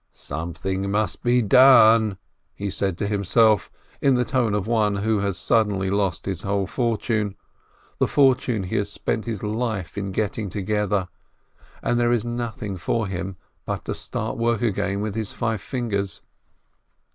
"Something must be done !" he said to himself, in the tone of one who has suddenly lost his whole fortune — the fortune he has spent his life in getting together, and there is nothing for him but to start work again with his five fingers.